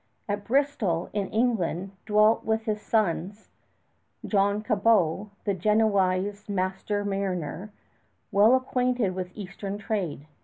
At Bristol in England dwelt with his sons John Cabot, the Genoese master mariner, well acquainted with Eastern trade.